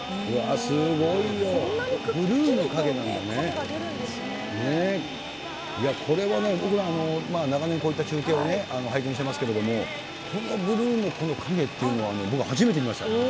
こんなにくっきりと影が出るいや、これはね、僕、長年、こういった中継を拝見してますけれども、こんなブルーの影っていうのは、僕は初めて見ました。